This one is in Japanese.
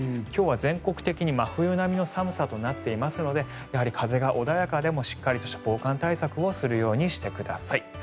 今日は全国的に真冬並みの寒さとなっていますので風が穏やかでもしっかりとした防寒対策をするようにしてください。